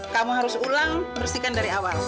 kamu harus ulang bersihkan dari awal